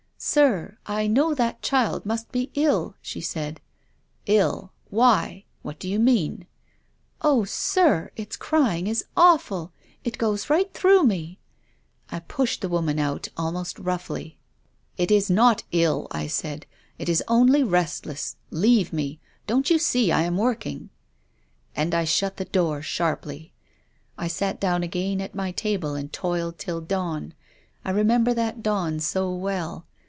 " Sir, I know that child must be ill," she said. " 111 — why ? What do you mean ?"" Oh, sir, its crying is awful. It goes right through mc." I pushed the woman out almost roughly. 208 TONGUES OF CONSCIENCE. " It is not ill," I said. " It is only restless. Leave me. Don't you see I am working ?"" And I shut the door sharply. I sat down again at my table and toiled till dawn. I re member that dawn so well.